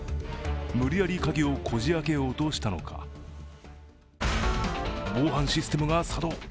無理やり鍵をこじ開けようとしたのか防犯システムが作動。